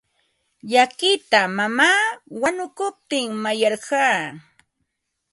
Llakita mamaa wanukuptin mayarqaa.